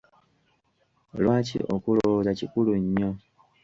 Lwaki okulowooza kikulu nnyo?